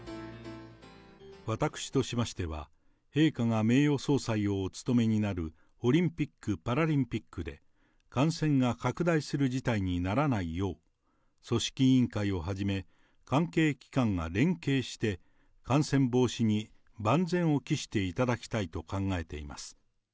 私としましては、陛下が名誉総裁をお務めになるオリンピック・パラリンピックで、感染が拡大する事態にならないよう、組織委員会をはじめ、関係機関が連携して、感染防止に万全を期していただきたいと考えています。